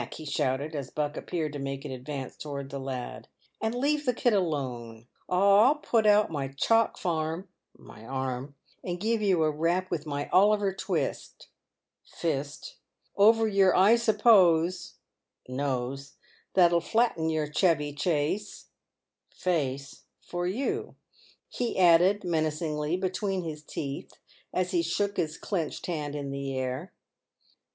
he shouted, as Buck appeared to make an advance towards the lad, " and leave the kid alone, or I'll put out my Chalk Farm (my arm) and give you a rap with my Oliver Twist (fist) over your I suppose (nose) that'll flatten your chevy chase (face) for you !" he added, menacingly, between his teeth, as he shook his clenched hand in the air.